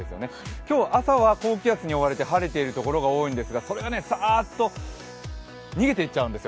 今日、朝は高気圧に覆われて晴れてる所が多いんですがそれがサーッと逃げていっちゃうんですよ。